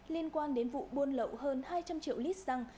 liên quan đến vụ buôn lậu hơn hai trăm linh triệu lít xăng